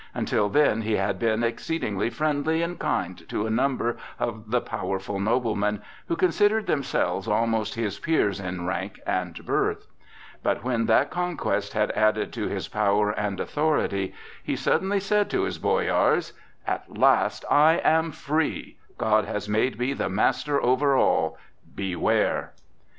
Until then he had been exceedingly friendly and kind to a number of the powerful noblemen, who considered themselves almost his peers in rank and birth. But when that conquest had added to his power and authority, he suddenly said to his boyars: "At last I am free! God has made me the master over all. Beware!"